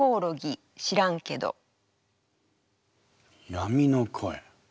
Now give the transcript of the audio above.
「闇の声」。